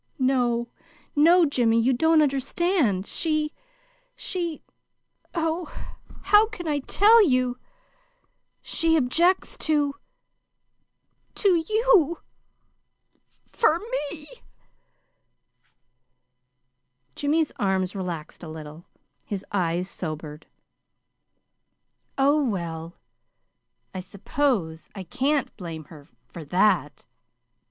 "No, no, Jimmy, you don't understand! She she oh, how can I tell you? she objects to to YOU for ME." Jimmy's arms relaxed a little. His eyes sobered. "Oh, well, I suppose I can't blame her for that.